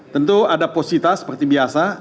tentu ada posita seperti biasa